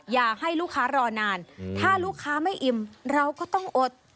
อย่าให้ลูกค้ารอนานถ้าลูกค้าไม่อิ่มเราก็ต้องอด